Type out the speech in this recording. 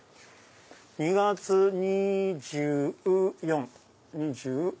２月２４２０。